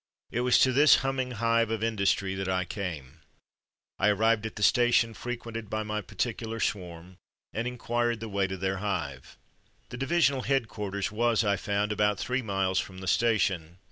It was to this humming hive of industry that I came. I arrived at the station frequented by my particular swarm, and inquired the way to their hive. The divisional headquarters, was, I found, about three miles from the station.